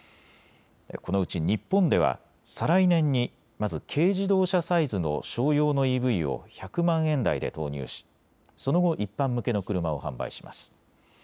このうち日本では再来年にまず軽自動車サイズの商用のＥＶを１００万円台で投入しその後、一般向けの車を販売します。